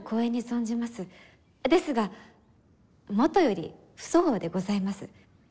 ですがもとより不相応でございます。